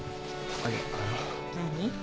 何？